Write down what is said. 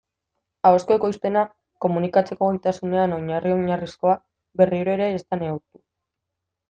Ahozko ekoizpena, komunikatzeko gaitasunean oinarri-oinarrizkoa, berriro ere ez da neurtu.